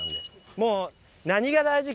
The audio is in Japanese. もう。